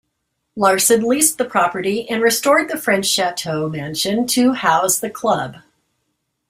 Larsen leased the property and restored the French Chateau mansion to house the club.